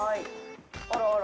あらあら。